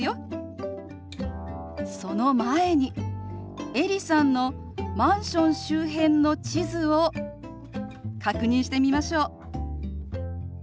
その前にエリさんのマンション周辺の地図を確認してみましょう。